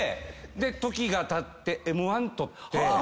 時がたってＭ−１取って。